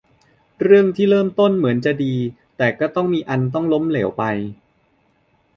เรื่องที่เริ่มต้นเหมือนจะดีแต่ก็มีอันต้องล้มเหลวไป